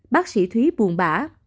bác sĩ thúy buồn bã